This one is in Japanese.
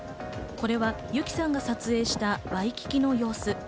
これはＹＵＫＩさんが撮影したワイキキの様子。